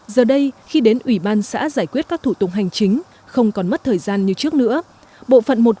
giờ đây khi đến ủy ban xã giải quyết các thủ tục hành chính không còn mất thời gian như trước nữa